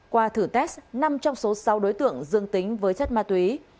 qua thử test năm trong số sáu đối tượng dương tính với chất ma túy